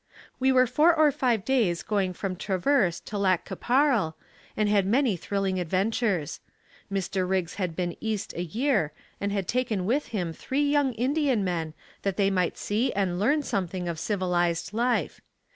We were four or five days going from Traverse to Lac qui Parle and had many thrilling adventures. Dr. Riggs had been east a year and had taken with him three young Indian men that they might see and learn something of civilized life.